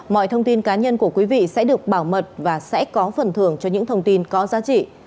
mọi thông tin cá nhân của quý vị sẽ được bảo mật và sẽ có phần thưởng cho những thông tin có giá trị